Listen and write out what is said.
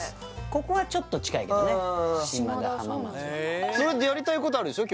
ここはちょっと近いけどね島田そうなんだやりたいことあるでしょ？